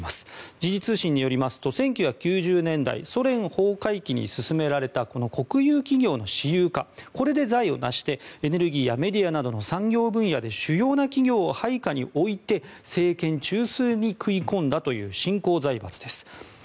時事通信によりますと１９９０年代ソ連崩壊期に進められた国有企業の私有化これで財を成してエネルギーやメディアなどの産業分野で主要な企業を配下に置いて政権中枢に食い込んだという新興財閥です。